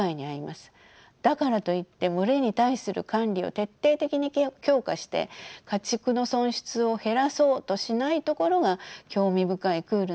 だからといって群れに対する管理を徹底的に強化して家畜の損失を減らそうとしないところが興味深いクールな点です。